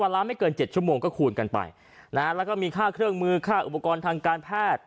ละไม่เกิน๗ชั่วโมงก็คูณกันไปนะฮะแล้วก็มีค่าเครื่องมือค่าอุปกรณ์ทางการแพทย์